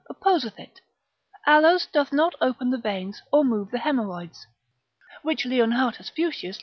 opposeth it, aloes doth not open the veins, or move the haemorrhoids, which Leonhartus Fuchsius paradox.